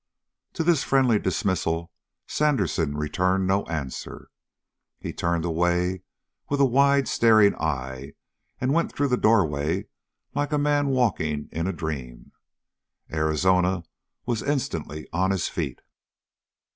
To this friendly dismissal Sandersen returned no answer. He turned away with a wide, staring eye, and went through the doorway like a man walking in a dream. Arizona was instantly on his feet.